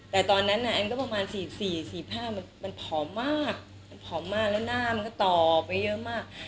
แต่ตอนนั้นแอนก็ประมาณ๔๔๕มันผอมมากมันผอมมากแล้วหน้ามันก็ต่อไปเยอะมาก